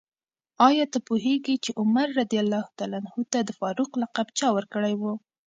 آیا ته پوهېږې چې عمر رض ته د فاروق لقب چا ورکړی و؟